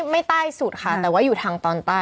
ใต้สุดค่ะแต่ว่าอยู่ทางตอนใต้